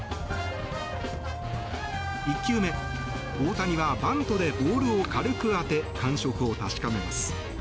１球目、大谷はバントでボールを軽く当て感触を確かめます。